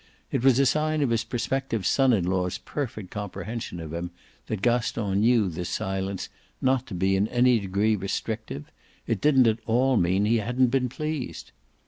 It was a sign of his prospective son in law's perfect comprehension of him that Gaston knew this silence not to be in any degree restrictive: it didn't at all mean he hadn't been pleased.